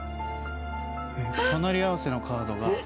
隣り合わせのカードが。